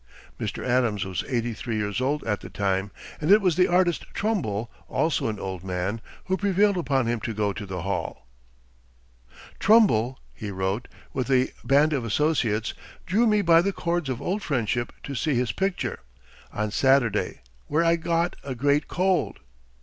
Mr. Adams was eighty three years old at the time, and it was the artist Trumbull, also an old man, who prevailed upon him to go to the Hall. "Trumbull," he wrote, "with a band of associates, drew me by the cords of old friendship to see his picture, on Saturday, where I got a great cold.